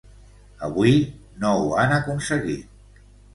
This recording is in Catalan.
Avui no ho han aconseguit.